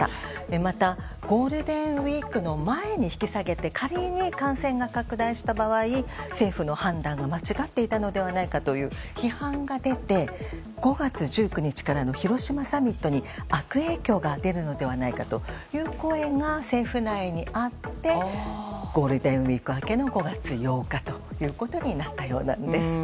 また、ゴールデンウィークの前に引き下げて仮に感染が拡大した場合政府の判断が間違っていたのではないかという批判が出て、５月１９日からの広島サミットに悪影響が出るのではないかという声が政府内にあってゴールデンウィーク明けの５月８日ということになったようなんです。